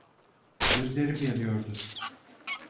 Gözlerim yanıyordu.